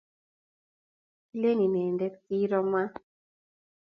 Kilen inendet kiiro ma